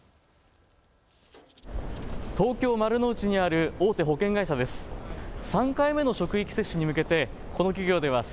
東京丸の内にある大手保険会社です。